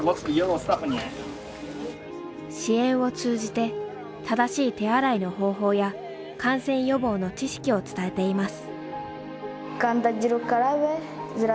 支援を通じて正しい手洗いの方法や感染予防の知識を伝えています。